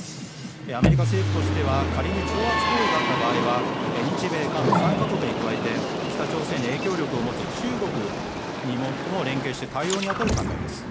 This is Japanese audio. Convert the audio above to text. アメリカ政府としては仮に挑発行為があった場合は日米韓の３か国に加えて北朝鮮に影響力を持つ中国とも連携して対応に当たる考えです。